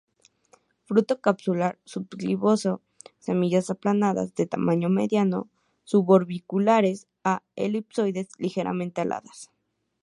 Fruto capsular, subgloboso; semillas aplanadas, de tamaño mediano, suborbiculares a elipsoides, ligeramente aladas.